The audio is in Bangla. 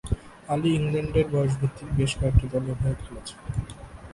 আলী ইংল্যান্ডের বয়সভিত্তিক বেশ কয়েকটি দলের হয়ে খেলেছেন।